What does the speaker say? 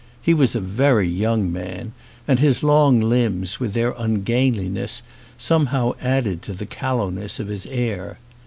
He was a very young man and his long limbs with their ungainliness some how added to the callowness of his air.